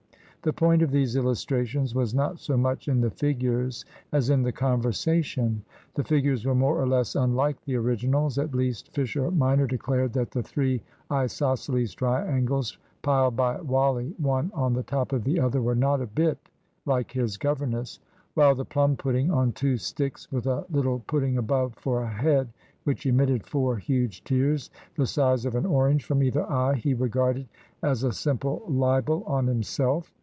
The point of these illustrations was not so much in the figures as in the conversation. The figures were more or less unlike the originals; at least, Fisher minor declared that the three isosceles triangles piled by Wally one on the top of the other were not a bit like his governess; while the plum pudding on two sticks, with a little pudding above for a head which emitted four huge tears, the size of an orange, from either eye, he regarded as a simple libel on himself.